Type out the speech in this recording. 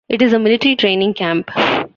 It is a military training camp.